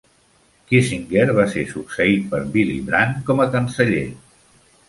Kiesinger va ser succeït per Willy Brandt com a canceller.